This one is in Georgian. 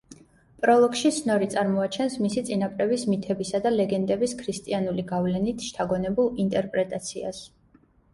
პროლოგში სნორი წარმოაჩენს მისი წინაპრების მითებისა და ლეგენდების ქრისტიანული გავლენით შთაგონებულ ინტერპრეტაციას.